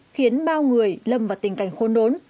khiến bao người lâm vào tình cảnh khôn đốn